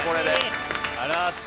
ありがとうございます。